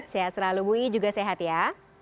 sehat selalu bu ii juga sehat ya